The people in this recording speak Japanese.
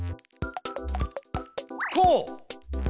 こう。